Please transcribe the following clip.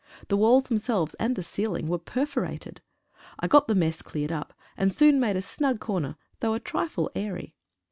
The walls themselves and the ceiling were perforated. I got the mess cleared up, and soon made a snug corner, though a trifle airy.